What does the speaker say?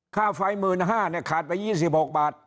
ค่าไฟ๑๕๐๐บาทขาดไป๒๖บาท